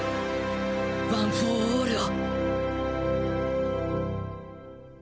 ワン・フォー・オールを！